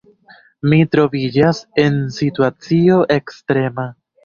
Mi troviĝas en situacio ekstrema.